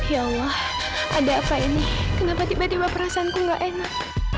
ya allah ada apa ini kenapa tiba tiba perasaanku gak enak